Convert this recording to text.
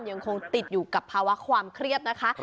ยังคงติดอยู่กับภาวะความเครียดนะคะ